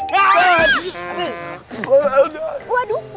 woy jangan lari woy